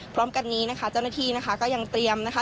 พร้อมกันนี้นะคะเจ้าหน้าที่นะคะก็ยังเตรียมนะคะ